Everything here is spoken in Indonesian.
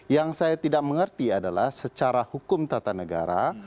yang saya tidak mengerti adalah secara hukum tata negara